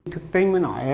thực tinh mới nói